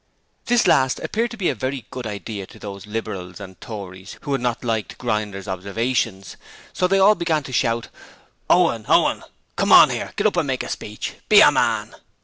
This last appeared to be a very good idea to those Liberals and Tories who had not liked Grinder's observations, so they all began to shout 'Owen!' 'Owen!' 'Come on 'ere. Get up and make a speech!' 'Be a man!'